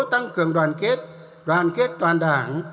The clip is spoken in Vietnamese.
tăng cường đoàn kết đoàn kết toàn đảng